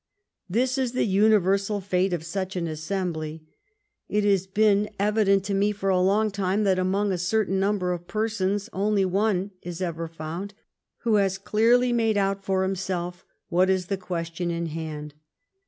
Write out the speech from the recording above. This is the universal fate of such an assembly. It , ha3 been evident to me for a long time that among a certain number of persons only one is ever found who has clearly made out for himself what is the question in hand.